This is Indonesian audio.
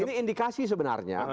dan ini indikasi sebenarnya